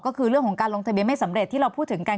ก็คือเรื่องของการลงทะเบียนไม่สำเร็จที่เราพูดถึงกัน